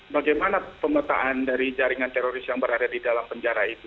bagaimana pemetaan dari jaringan teroris yang berada di dalam penjara itu